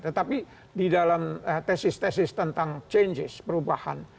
tetapi di dalam tesis tesis tentang changes perubahan